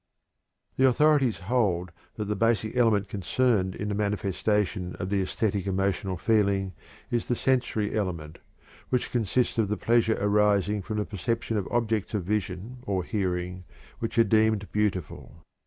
The authorities hold that the basic element concerned in the manifestation of the æsthetic emotional feeling is the sensory element, which consists of the pleasure arising from the perception of objects of vision or hearing which are deemed beautiful.